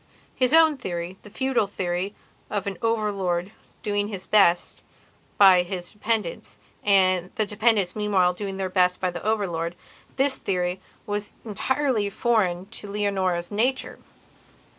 His own theorythe feudal theory of an over lord doing his best by his dependents, the dependents meanwhile doing their best for the over lordthis theory was entirely foreign to Leonora's nature.